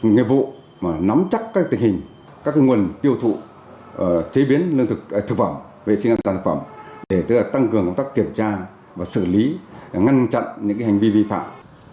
nghiệp vụ nắm chắc các tình hình các nguồn tiêu thụ chế biến vệ sinh an toàn thực phẩm để tăng cường công tác kiểm tra và xử lý ngăn chặn những hành vi vi phạm